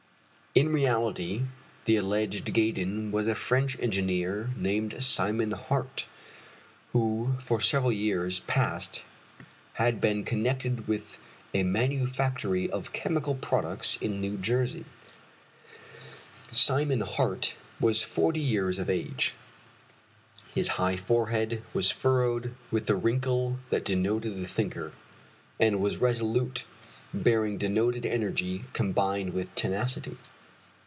In reality the alleged Gaydon was a French engineer named Simon Hart, who for several years past had been connected with a manufactory of chemical products in New Jersey. Simon Hart was forty years of age. His high forehead was furrowed with the wrinkle that denoted the thinker, and his resolute bearing denoted energy combined with tenacity.